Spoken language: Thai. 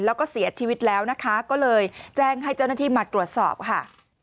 แล้วก็เสียชีวิตแล้วนะคะก็เลยแจ้งให้เจ้าหน้าที่มาตรวจสอบค่ะ